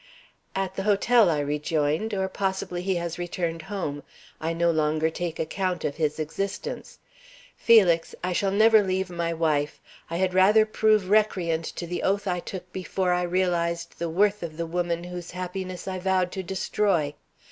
"At the hotel," I rejoined. "Or possibly he has returned home. I no longer take account of his existence. Felix, I shall never leave my wife. I had rather prove recreant to the oath I took before I realized the worth of the woman whose happiness I vowed to destroy.